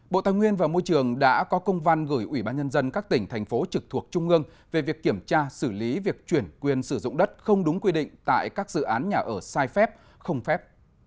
bộ tài nguyên và môi trường đã có công văn gửi ủy ban nhân dân các tỉnh thành phố trực thuộc trung ương về việc kiểm tra xử lý việc chuyển quyền sử dụng đất không đúng quy định tại các dự án nhà ở sai phép không phép